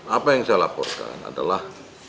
apa yang saya laporkan adalah